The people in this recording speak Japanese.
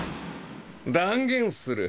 断言する。